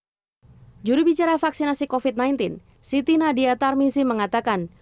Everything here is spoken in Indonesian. seluruh bicara vaksinasi covid sembilan belas siti nadia tarmisi mengatakan